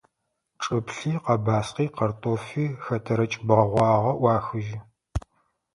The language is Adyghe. Чӏыплъи, къэбаскъи, картофи – хэтэрыкӏ бэгъуагъэ ӏуахыжьы.